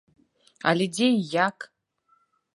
Але дзе й як?